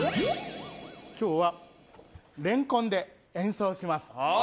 今日は、レンコンで演奏します。